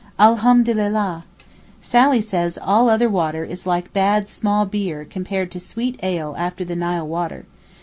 Alhamdulillah! Sally says all other water is like bad small beer compared to sweet ale after the Nile water.